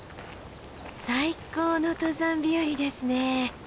最高の登山日和ですね。